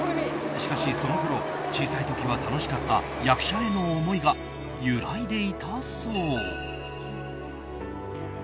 しかしそのころ、小さい時は楽しかった役者への思いが揺らいでいたそう。